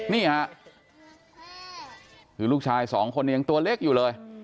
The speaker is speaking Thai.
นี่ค่ะคือลูกชายสองคนยังตัวเล็กอยู่เลย